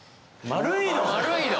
「丸いの」？